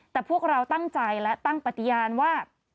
แต่พวกเราตั้งใจและตั้งปฏิญาณว่า